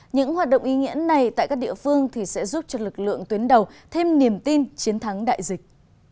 những hoạt động ý nghĩa này tại các địa phương sẽ giúp cho lực lượng tuyến đầu thêm niềm tin chiến thắng đại dịch